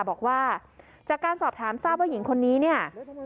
บอกว่าจากการสอบถามทราบว่าหญิงคนนี้เนี่ย